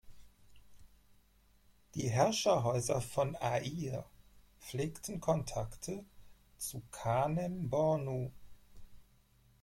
Die Herrscherhäuser von Aïr pflegten Kontakte zu Kanem-Bornu.